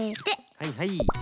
はいはい。